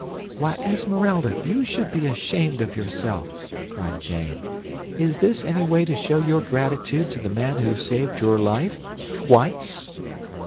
"Why, Esmeralda! You should be ashamed of yourself," cried Jane. "Is this any way to show your gratitude to the man who saved your life twice?"